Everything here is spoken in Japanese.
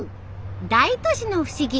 大都市の不思議